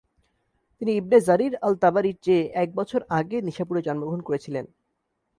তিনি Ibn Jarir আল-তাবারীর চেয়ে এক বছর আগে নিশাপুরে জন্মগ্রহণ করেছিলেন।